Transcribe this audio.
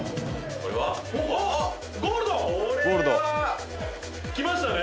これは、きましたね。